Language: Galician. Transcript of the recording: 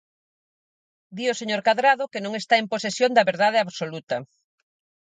Di o señor Cadrado que non está en posesión da verdade absoluta.